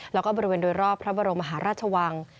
แล้วก็บริเวณโดยรอบพระบรมมหาราชวัง